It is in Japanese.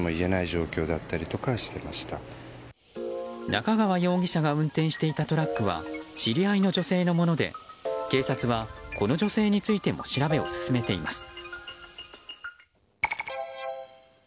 中川容疑者が運転していたトラックは知り合いの女性のもので警察はこの女性についても調べを進めています。